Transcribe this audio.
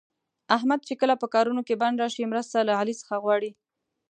احمد چې کله په کارونو کې بند راشي، مرسته له علي څخه غواړي.